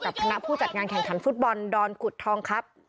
กับพนักผู้จัดงานแข่งขันฟุตบอลดอนขุดทองครับ